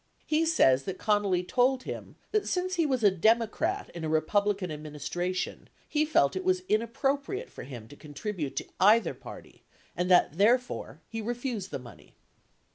He says that Connally told him that since he was a Democrat in a Republican ad ministration, he felt, it was inappropriate for him to contribute to either party and that therefore he refused the money.